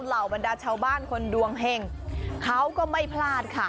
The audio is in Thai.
เหล่าบรรดาชาวบ้านคนดวงเห็งเขาก็ไม่พลาดค่ะ